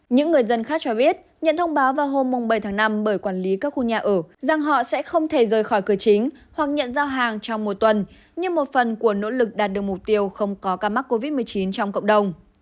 những người dân khác cho biết nhận thông báo vào hôm bảy tháng năm bởi quản lý các khu nhà ở rằng họ sẽ không thể rời khỏi cửa chính hoặc nhận giao hàng trong một tuần như một phần của nỗ lực đạt được mục tiêu không có ca mắc covid một mươi chín trong cộng đồng